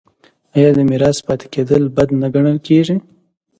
آیا د میرات پاتې کیدل بد نه ګڼل کیږي؟